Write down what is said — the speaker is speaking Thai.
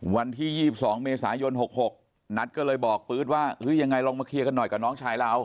วันที่๒๒เมษายน๖๖นัทก็เลยบอกปื๊ดว่ายังไงลองมาเคลียร์กันหน่อยกับน้องชายเรา